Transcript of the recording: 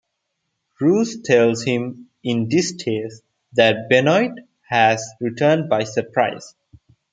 Rouse tells him, in distaste, that Benoit has returned by surprise.